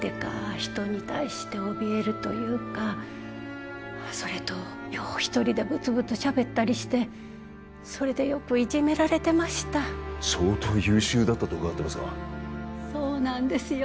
人に対しておびえるというかああそれとよう一人でぶつぶつしゃべったりしてそれでよくいじめられてました相当優秀だったと伺ってますがそうなんですよ